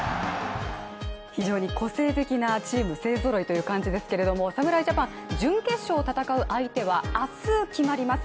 非常に個性的なチーム勢ぞろいという感じですけど侍ジャパン、準決勝を戦う相手は明日決まります